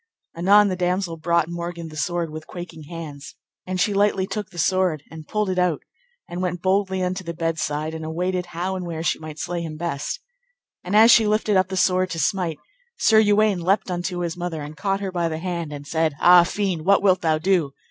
Anon the damosel brought Morgan the sword with quaking hands, and she lightly took the sword, and pulled it out, and went boldly unto the bed's side, and awaited how and where she might slay him best. And as she lifted up the sword to smite, Sir Uwaine leapt unto his mother, and caught her by the hand, and said, Ah, fiend, what wilt thou do?